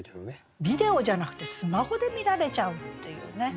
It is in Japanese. ビデオじゃなくてスマホで見られちゃうっていうね